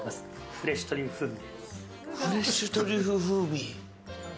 フレッシュトリュフ風味。